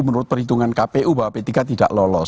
menurut perhitungan kpu bahwa p tiga tidak lolos